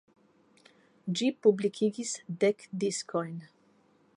Ĝi publikigis dek diskojn.